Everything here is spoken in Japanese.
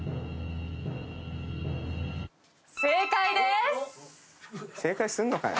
正解です！